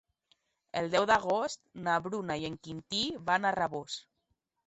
El deu d'agost na Bruna i en Quintí van a Rabós.